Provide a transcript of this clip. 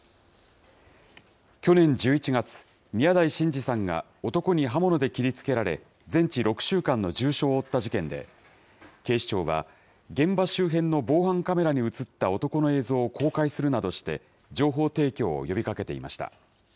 去年１１月、宮台真司さんが男に刃物で切りつけられ、全治６週間の重傷を負った事件で、警視庁は現場周辺の防犯カメラに写った男の映像を公開するなどして、情報提供を呼びかけていました。